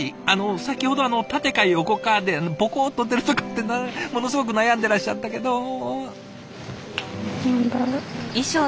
あの先ほど縦か横かでボコッと出るとかってものすごく悩んでらっしゃったけど。